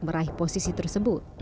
meraih posisi tersebut